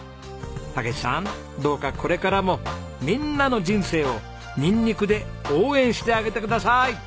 武史さんどうかこれからもみんなの人生をニンニクで応援してあげてください。